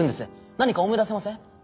何か思い出せません？